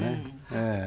ええ。